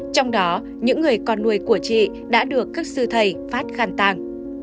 trong đó những người con nuôi của chị đã được các sư thầy phát khan tàng